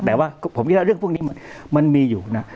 แต่ว่าผมจะเลือกพวกนี้มันมีอยู่นะ